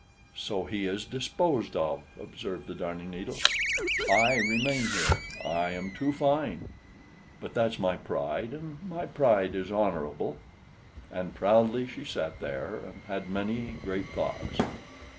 "So he is disposed of," observed the Darning needle. "I remain here. I am too fine. But that's my pride, and my pride is honorable." And proudly she sat there, and had many great thoughts.